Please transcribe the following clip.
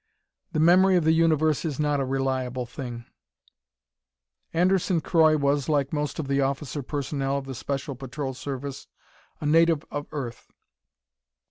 The memory of the universe is not a reliable thing. Anderson Croy was, like most of the officer personnel of the Special Patrol Service, a native of Earth.